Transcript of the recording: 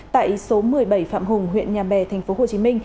tại số một mươi bảy phạm hùng huyện nhà bè tp hcm